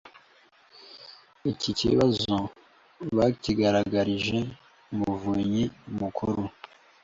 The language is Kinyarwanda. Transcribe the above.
Iki kibazo bakigaragarije Umuvunyi Mukuru